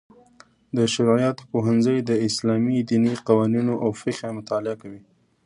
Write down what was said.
د شرعیاتو پوهنځی د اسلامي دیني قوانینو او فقه مطالعه کوي.